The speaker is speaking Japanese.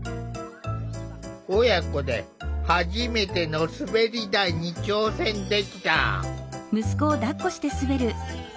親子で初めての滑り台に挑戦できた。